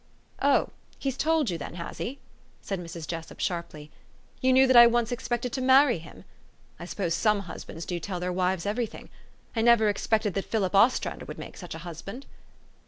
"Oh! he's told you, then, has he?" said Mrs. Jessup sharply. " You knew that I once expected to marry him ? I suppose some husbands do tell their wives every thing. I never expected that Philip Ostrander would make such a husband."